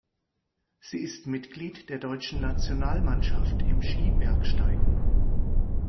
Sie ist Mitglied der deutschen Nationalmannschaft im Skibergsteigen.